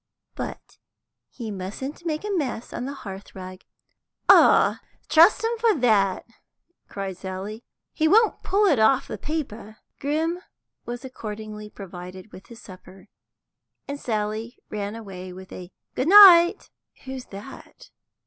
"But he mustn't make a mess on the hearthrug." "Oh, trust un for that," cried Sally. "He won't pull it off the paper." Grim was accordingly provided with his supper, and Sally ran away with a "good night." "Who's that?"